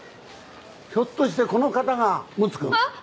ひょっとしてこの方がむつ君？あっ！